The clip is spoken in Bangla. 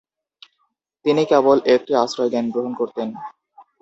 তিনি কেবল একটি আশ্রয় জ্ঞান করতেন।